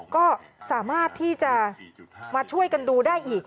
ก็สามารถที่จะมาช่วยกันดูได้อีก